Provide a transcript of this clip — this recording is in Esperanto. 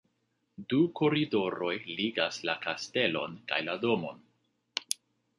Du koridoroj ligas la kastelon kaj la domon.